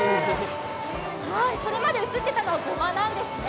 それまで映っていたのは、ごまなんですね。